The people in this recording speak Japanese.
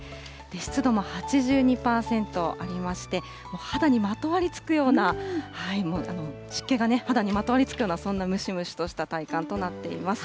湿度も８２％ありまして、肌にまとわりつくような、湿気がね、肌にまとわりつくような、そんな体感となっています。